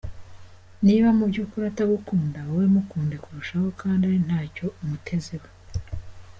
Niba mu byukuri atagukunda, wowe mukunde kurushaho kandi ari nta cyo umutezeho.